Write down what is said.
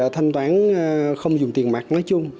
thanh toán không dùng tiền mạc nói chung